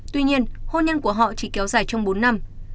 tuy nhiên hôn nhân của họ chỉ kéo dài trong bốn năm